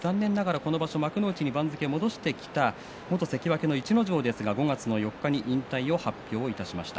この場所、幕内に番付を戻してきた元関脇逸ノ城５月４日に引退を発表しました。